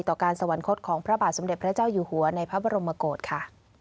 ต่อการสวรรคตของพระบาทสมเด็จพระเจ้าอยู่หัวในพระบรมโกศค่ะ